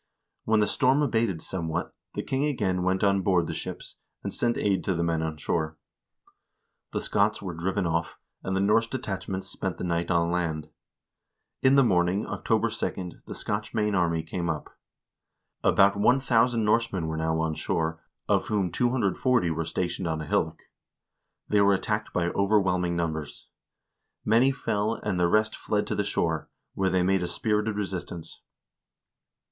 When the storm abated somewhat, the king again went on board the ships, and sent aid to the men on shore. The Scots were driven off, and the Norse detachments spent the night on land. In the morning, October 2, the Scotch main army came up. About 1000 Norsemen were now on shore, of whom 240 were stationed on a hillock. They were attacked by overwhelming numbers. Many fell, and the rest fled to the shore, where they made a spirited resist ance.